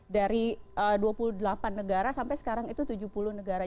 dari dua puluh delapan negara sampai sekarang itu tujuh puluh negara